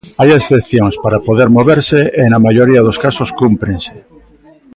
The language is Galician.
Hai excepcións para poder moverse e na maioría dos casos cúmprense.